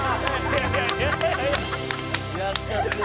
やっちゃってるな。